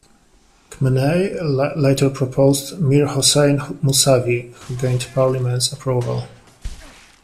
Khamenei later proposed Mir-Hossein Mousavi, who gained Parliament's approval.